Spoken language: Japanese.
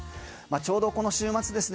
ちょうど、この週末ですね